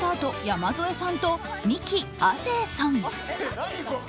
山添さんとミキ亜生さん。